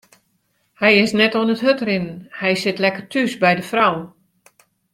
Hy is net oan it hurdrinnen, hy sit lekker thús by de frou.